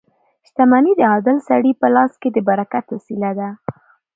• شتمني د عادل سړي په لاس کې د برکت وسیله ده.